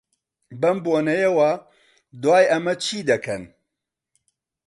بەم بۆنەیەوە، دوای ئەمە چی دەکەن؟